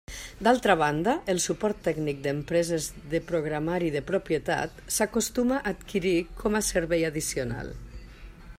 D'altra banda, el suport tècnic d'empreses de programari de propietat s'acostuma a adquirir com a servei addicional.